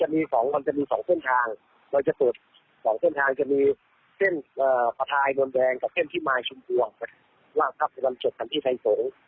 เมืองแดงก็เช่นที่มายชุมปวงล่างกับสุดรันเจ็ดกันที่ไทยสงฆ์